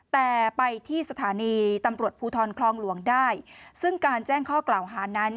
แต่ไปที่สถานีตำรวจภูทรคลองหลวงได้ซึ่งการแจ้งข้อกล่าวหานั้น